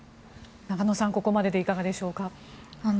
中野さん、ここまででいかがでしょうか？